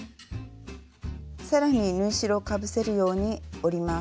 更に縫い代をかぶせるように折ります。